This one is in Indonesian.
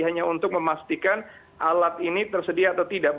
hanya untuk memastikan alat ini tersedia atau tidak